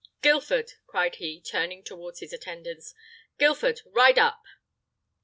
"Guilford," cried he, turning towards his attendants, "Guilford, ride up."